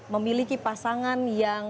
memiliki pasangan yang